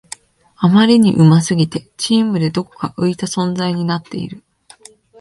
あまりに上手すぎてチームでどこか浮いた存在になっている